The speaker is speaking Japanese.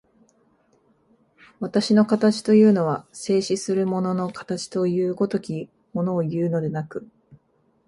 私の形というのは、静止する物の形という如きものをいうのでなく、